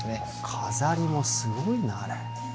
飾りもすごいなあれ。